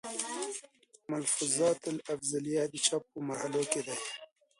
ملفوظات الافضلېه، د چاپ پۀ مرحلو کښې دی